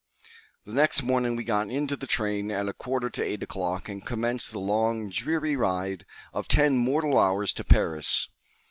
The next morning we got into the train at a quarter to eight o'clock, and commenced the long, dreary ride of ten mortal hours to Paris.